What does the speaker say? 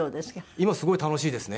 今はすごい楽しいですね。